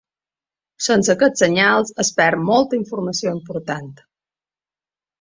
Sense aquests senyals, es perd molta informació important.